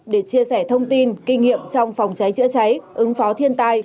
để chia sẻ thông tin kinh nghiệm trong phòng cháy chữa cháy ứng phó thiên tai